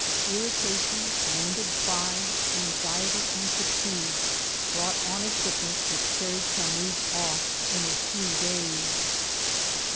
Irritation, wounded pride, anxiety, and fatigue, brought on a sickness which carried Tanub off in a few days.